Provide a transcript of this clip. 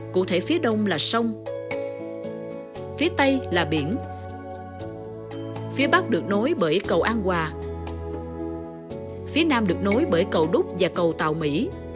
cụ thể phía đông là sông phía tây là biển phía bắc được nối bởi cầu an hòa phía nam được nối bởi cầu đúc và cầu tàu mỹ